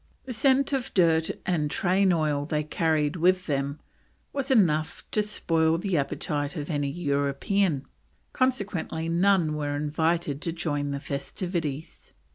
The scent of dirt and train oil they carried with them was "enough to spoil the appetite of any European," consequently none were invited to join the festivities.